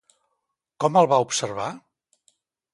Com el va observar?